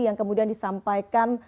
yang kemudian disampaikan